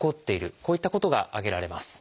こういったことが挙げられます。